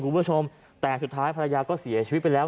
คุณผู้ชมแต่สุดท้ายภรรยาก็เสียชีวิตไปแล้ว